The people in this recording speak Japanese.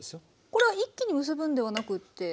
これは一気に結ぶんではなくて。